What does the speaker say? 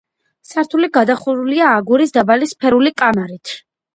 სართული გადახურულია აგურის დაბალი სფერული კამარით.